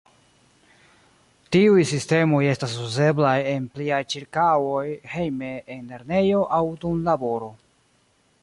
Tiuj sistemoj estas uzeblaj en plia ĉirkaŭoj, hejme, en lernejo, aŭ dum laboro.